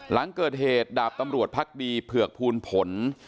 หลังเกิดเหตุดาบตำรวจพักดีเผือกภูลผล